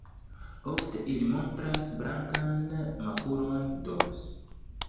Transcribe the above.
Ofte ili montras blankan makulon dorse.